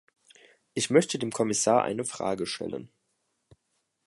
Ich möchte dem Kommissar eine Frage stellen.